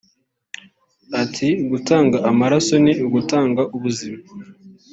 Ati “Gutanga amaraso ni ugutanga ubuzima